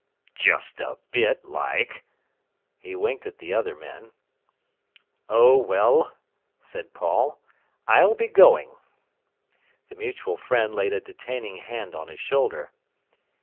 "Just a bit, like!" He winked at the other men. "Oh well," said Paul, "I'll be going!" The mutual friend laid a detaining hand on his shoulder.